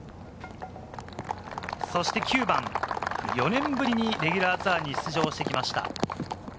そして９番、４年ぶりにレギュラーツアーに出場してきました。